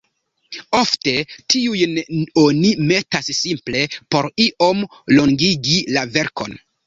Ofte tiujn oni metas simple por iom longigi la verkon.